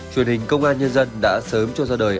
truyền hình công an nhân dân đã sớm cho ra đời